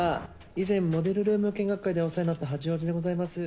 以前モデルルーム見学会でお世話になった八王子でございます。